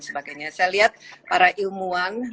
sebagainya saya lihat para ilmuwan